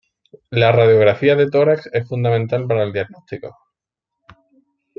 La radiografía de tórax es fundamental para el diagnóstico.